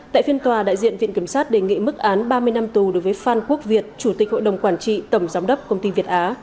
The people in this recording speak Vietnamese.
tại phiên tòa đại diện viện kiểm sát đề nghị mức án ba mươi năm tù đối với phan quốc việt chủ tịch hội đồng quản trị tổng giám đốc công ty việt á